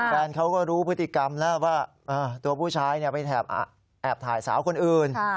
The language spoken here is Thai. แฟนเขาก็รู้พฤติกรรมแล้วว่าตัวผู้ชายไปแอบถ่ายสาวคนอื่น